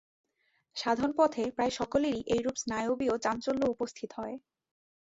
সাধনপথে প্রায় সকলেরই এইরূপ স্নায়বীয় চাঞ্চল্য উপস্থিত হয়।